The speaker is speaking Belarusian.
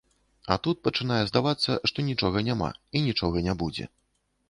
А тут пачынае здавацца, што нічога і няма, і нічога не будзе.